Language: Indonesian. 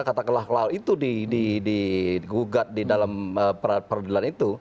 katakanlah kalau itu di gugat di dalam peradilan itu